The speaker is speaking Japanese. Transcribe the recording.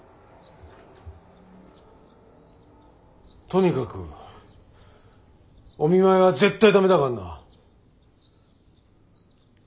とにかくお見舞いは絶対ダメだからな。